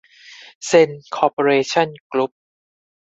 เซ็น คอร์ปอเรชั่น กรุ๊ป